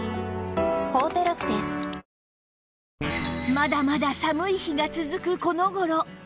まだまだ寒い日が続くこの頃